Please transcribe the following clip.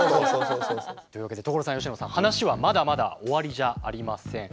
というわけで所さん佳乃さん話はまだまだ終わりじゃありません。